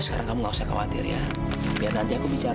sampai jumpa di video selanjutnya